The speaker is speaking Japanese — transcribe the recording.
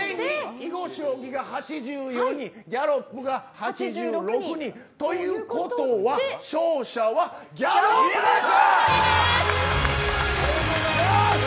囲碁将棋が８４人ギャロップが８６人ということは勝者はギャロップです。